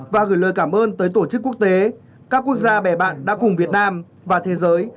và gửi lời cảm ơn tới tổ chức quốc tế các quốc gia bè bạn đã cùng việt nam và thế giới